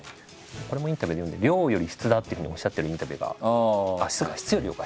これもインタビューで見て「量より質だ」っていうふうにおっしゃってるインタビューがあっそうか「質より量」か。